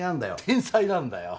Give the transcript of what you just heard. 天才なんだよ！